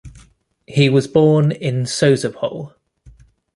He was born in Sozopol.